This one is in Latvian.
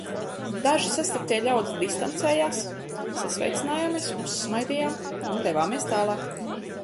Daži sastaptie ļaudis distancējās, sasveicinājāmies, uzsmaidījām un devāmies tālāk.